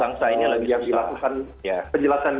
bangsa ini lagi susah